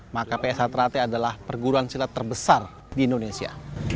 maka psht adalah perguruan silat terbesar di indonesia